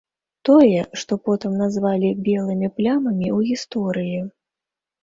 Тое, што потым назвалі белымі плямамі ў гісторыі.